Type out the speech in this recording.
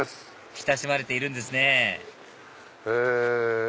親しまれているんですねえ。